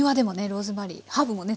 ローズマリーハーブもね